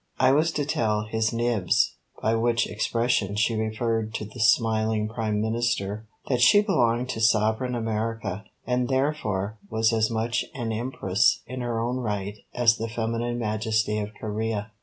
I was to tell "His Nibs," by which expression she referred to the smiling Prime Minister, that she belonged to sovereign America, and therefore was as much an Empress in her own right as the feminine Majesty of Corea.